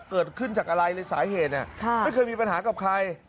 เกิดขึ้นจากอะไรเลยสาเหตุไม่เคยมีปัญหากับใคร